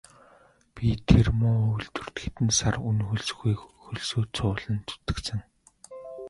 Би тэр муу үйлдвэрт хэдэн сар үнэ хөлсгүй хөлсөө цувуулан зүтгэсэн.